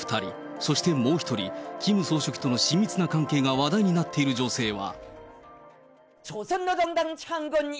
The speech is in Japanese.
そしてもう一人、キム総書記との親密な関係が話題になっている女性は。